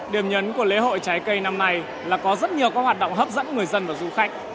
điểm nhấn của lễ hội trái cây năm nay là có rất nhiều các hoạt động hấp dẫn người dân và du khách